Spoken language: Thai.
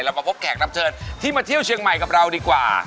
มาพบแขกรับเชิญที่มาเที่ยวเชียงใหม่กับเราดีกว่า